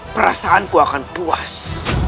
perasaanku akan puas